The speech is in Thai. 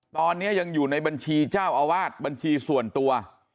ตอนนี้ยังอยู่ในบัญชีเจ้าอาวาสบัญชีส่วนตัว